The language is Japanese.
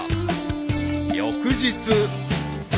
［翌日］